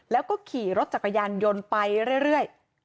แล้วก็ขี่รถจักรยานยนต์ไปเรื่อย